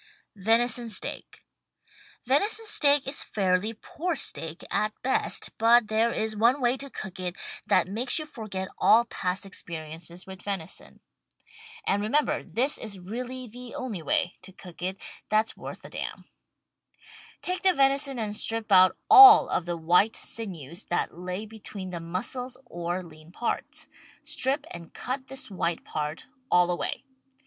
VENISON STEAK Venison steak is fairly poor steak at best. But there is one way to cook it that makes you forget all past [i2o] WRITTEN FOR MEN BY MEN experiences with venison. And remember this is really the only way to cook it that's worth a damn. Take the venison and strip out all of the white sinews that lay between the muscles or lean parts. Strip and cut this white part all away.